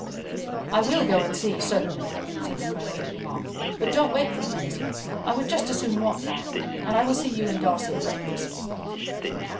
"I will go and see, certainly," said the Colonel, moving off; "but don't wait for me, Elizabeth. I would just as soon walk back, and I will see you and Darcy at breakfast."